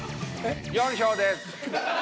４票です。